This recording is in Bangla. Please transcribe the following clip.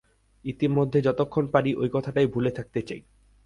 ইতিমধ্যে যতক্ষণ পারি ওই কথাটাই ভুলে থাকতে চাই।